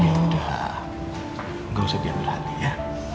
enggak gak usah diambil hati ya